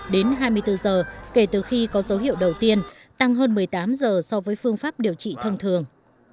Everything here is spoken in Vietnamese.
đến hai mươi bốn giờ kể từ khi có dấu hiệu đầu tiên tăng hơn một mươi tám giờ so với phương pháp điều trị thông thường